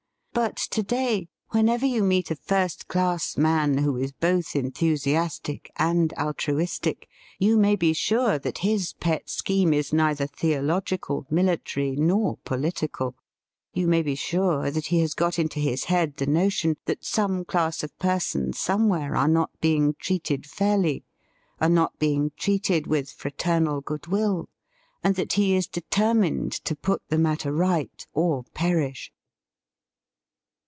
But today, whenever you meet a first class man who is both enthusiastic and al truistic, you may be sure that his pet THE FEAST OF ST FRIEND scheme is neither theological, military nor political; you may be sure that he has got into his head the notion that some class of persons somewhere are not being treated fairly, are not being treated with fraternal goodwill, and that he is determined to put the matter right, or perish.